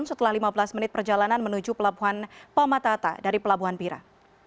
setelah lima belas menit perjalanan menuju pelabuhan pamatata dari pelabuhan bira